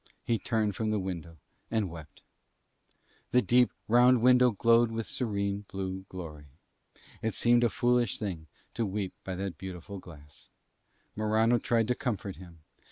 He turned from the window and wept. The deep round window glowed with serene blue glory. It seemed a foolish thing to weep by that beautiful glass. Morano tried to comfort him.